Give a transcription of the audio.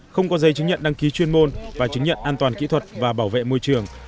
không có giấy chứng nhận đăng ký chuyên môn và chứng nhận an toàn kỹ thuật và bảo vệ môi trường